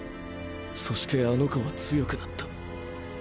そしてあの子は強くなった。